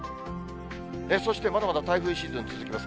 そしてまだまだ台風シーズン続きます。